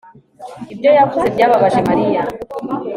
Ibyo yavuze byababaje Mariya